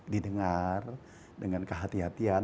didengar dengan kehati hatian